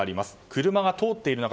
車が通っている中